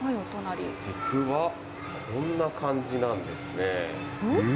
実はこんな感じなんですね。